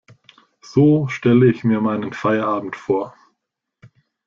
So stelle ich mir meinen Feierabend vor!